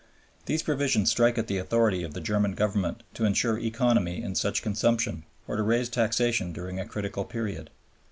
These provisions strike at the authority of the German Government to ensure economy in such consumption, or to raise taxation during a critical period.